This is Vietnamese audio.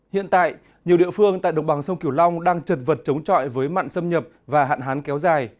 hiện tại nhiều địa phương tại đồng bằng sông kiểu long đang trật vật chống trọi với mặn xâm nhập và hạn hán kéo dài